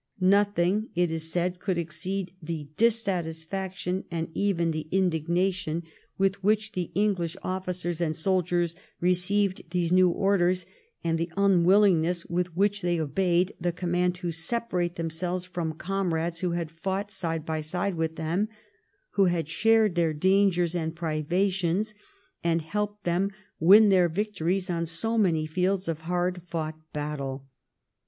Nothing, it is said, could exceed the dissatisfaction, and even the indignation, with which the English officers and soldiers received these new orders, and the unwillingness with which they obeyed the command to separate themselves from comrades who had fought side by side with them, who had shared their dangers and privations, and helped them to win their victories on so many fields of hard fought battle.